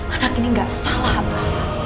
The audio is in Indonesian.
anak ini gak salah apa